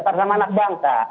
tersama anak bangsa